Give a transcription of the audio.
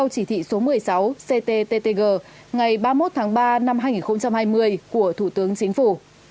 ctttg ngày ba mươi một tháng ba năm hai nghìn hai mươi của thủ tướng chính phủ